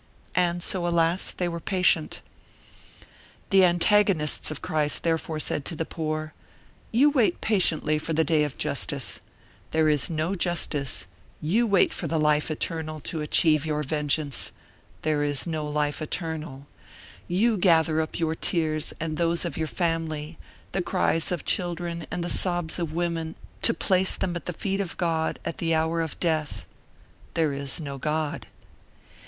And so, alas! they were patient. The antagonists of Christ therefore said to the poor: "You wait patiently for the day of justice: there is no justice; you wait for the life eternal to achieve your vengeance: there is no life eternal; you gather up your tears and those of your family, the cries of children and the sobs of women, to place them at the feet of God at the hour of death: there is no God."